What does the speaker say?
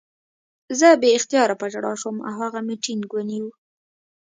زه بې اختیاره په ژړا شوم او هغه مې ټینګ ونیو